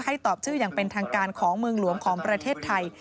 ตอบชื่ออย่างเป็นทางการของเมืองหลวงของประเทศไทย